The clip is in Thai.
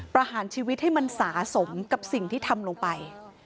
ประหารชีวิตให้มันสะสมกับสิ่งที่ทำลงไป